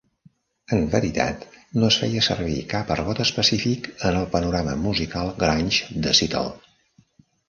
En veritat, no es feia servir cap argot específic en el panorama musical "grunge" de Seattle.